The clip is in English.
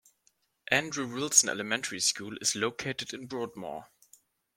Andrew Wilson Elementary School is located in Broadmoor.